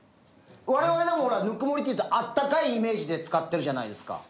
我々でもほら「ぬくもり」っていうとあったかいイメージで使ってるじゃないですか。